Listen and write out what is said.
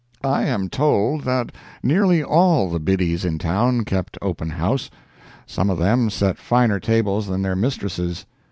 I am told that nearly all the Biddies in town kept open house. Some of them set finer tables than their mistresses.